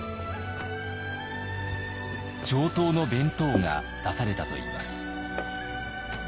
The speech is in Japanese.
上等の弁当が出されたといいます。